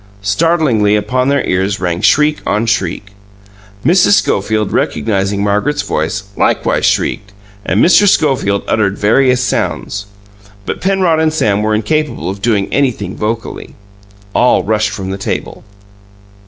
Startlingly upon their ears rang shriek on shriek. Mrs. Schofield, recognizing Margaret's voice, likewise shrieked, and Mr. Schofield uttered various sounds; but Penrod and Sam were incapable of doing anything vocally. All rushed from the table.